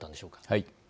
はい。